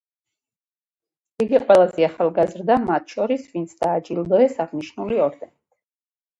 იგი ყველაზე ახალგაზრდაა მათ შორის ვინც დააჯილდოეს აღნიშნული ორდენით.